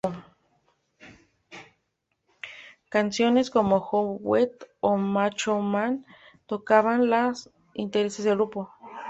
Canciones como "Go West" o "Macho Man" tocaban los intereses del grupo.